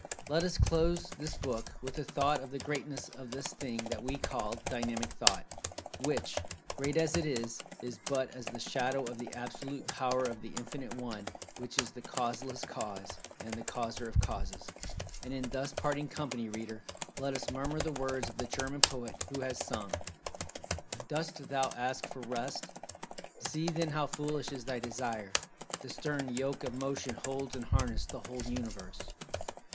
Let us close this book with the thought of the Greatness of this Thing that we call Dynamic Thought—which, great as it is, is but as the shadow of the Absolute Power of The Infinite One, which is the Causeless Cause, and the Causer of Causes. And in thus parting company, reader, let us murmur the words of the German poet, who has sung: "Dost thou ask for rest? See then how foolish is thy desire; the stern yoke of motion holds in harness the whole Universe.